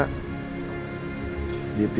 dibawa sama andi ke penjara